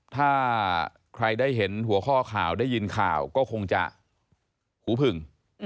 ถ้าใครได้เห็นหัวข้อข่าวได้ยินข่าวก็คงจะหูผึ่ง